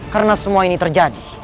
karena semua ini terjadi